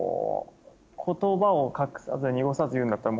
言葉を隠さず濁さず言うんだったら。